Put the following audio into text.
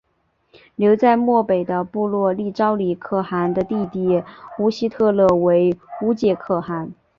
留在漠北的部落立昭礼可汗的弟弟乌希特勒为乌介可汗。